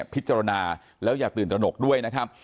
พิจารณาแล้วอย่าตื่นตระหนกด้วยนะครับ